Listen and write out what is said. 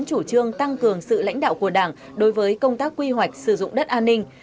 chủ trương tăng cường sự lãnh đạo của đảng đối với công tác quy hoạch sử dụng đất an ninh